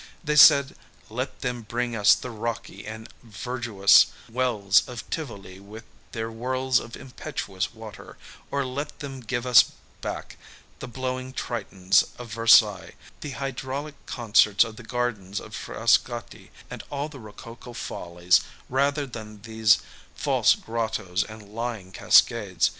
They said :^^ Let them bring us the rocky and verduous wells of Tivoli with their whirls of impetuous water, or let them give us back the blowing Tritons of Versailles, the hydraulic concerts of the gardens of Frascati, and all the rococo follies, rather than these false grottoes and lying cascades.